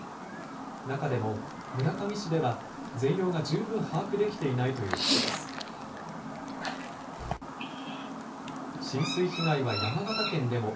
中でも村上市では、全容が十分把握できていないということです。